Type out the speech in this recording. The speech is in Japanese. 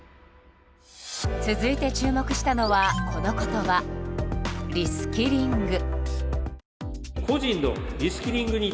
続いて注目したのはこの言葉、リスキリング。